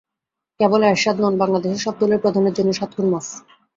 কেবল এরশাদ নন, বাংলাদেশে সব দলের প্রধানের জন্য সাত খুন মাফ।